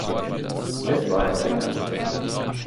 Es war ganz okay.